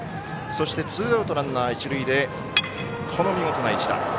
そしてツーアウトランナー、一塁で見事な一打。